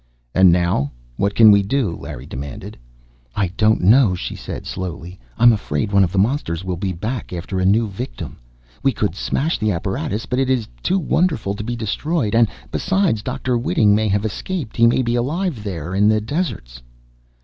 "And now, what can we do?" Larry demanded. "I don't know," she said slowly. "I'm afraid one of the monsters will be back after a new victim. We could smash the apparatus, but it is too wonderful to be destroyed. And besides, Dr. Whiting may have escaped. He may be alive there, in the deserts!"